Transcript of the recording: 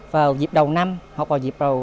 vào dịp đầu năm hoặc vào dịp đầu